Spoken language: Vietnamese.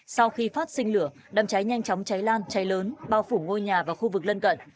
sau khi phát sinh lửa đám cháy nhanh chóng cháy lan cháy lớn bao phủ ngôi nhà và khu vực lân cận